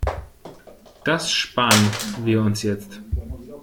Das spar'n wir uns jetzt.